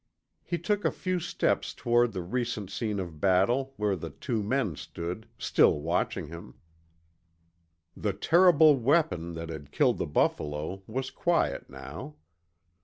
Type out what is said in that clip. He took a few steps toward the recent scene of battle where the two men stood, still watching him. The terrible weapon that had killed the buffalo was quiet now.